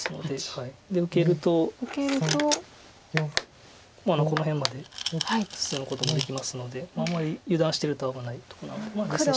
で受けるとこの辺まで進むこともできますのであんまり油断してると危ないとこなので。